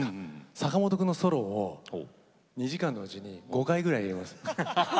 坂本君のソロを２時間のうちに５回ぐらい入れます。